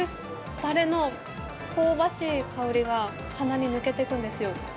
たれの香ばしい香りが鼻に抜けていくんですよ。